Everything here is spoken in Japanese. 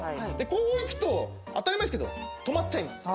こういくと当たり前ですけど止まっちゃいます。